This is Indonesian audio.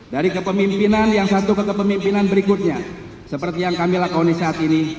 dari kepemimpinan yang satu ke kepemimpinan berikutnya seperti yang kami lakoni saat ini